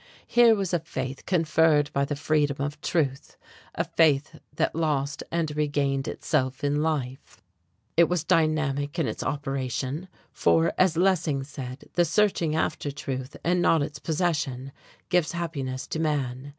Here was a faith conferred by the freedom of truth; a faith that lost and regained itself in life; it was dynamic in its operation; for, as Lessing said, the searching after truth, and not its possession, gives happiness to man.